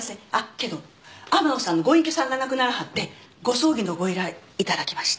けど天野さんのご隠居さんが亡くならはってご葬儀のご依頼頂きました。